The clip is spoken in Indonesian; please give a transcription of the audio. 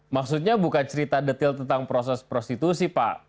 maksudnya bukan cerita detail tentang proses prostitusi pak